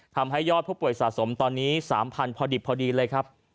ทำให้ยอดผู้ป่วยสะสมตอนนี้๓๐๐พอดิบพอดีเลยครับ